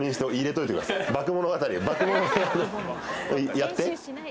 やって。